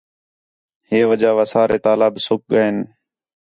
ہِے وجہ وا سارے تالاب سُک ڳئین